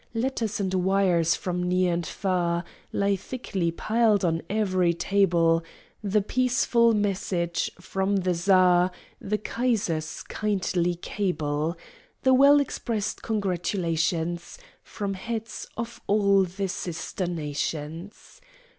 Letters and wires, from near and far, Lie thickly piled on ev'ry table; The peaceful message from the Czar, The Kaiser's kindly cable; The well expressed congratulations From Heads of all the Sister Nations.